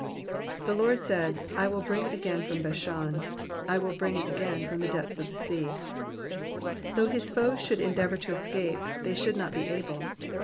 ^''The Lord said, I will bring agaia from Bashan, I tcill bring again from the dept/is of tJie sea.'''* Though his foes should endeavour to escape, they should not be able.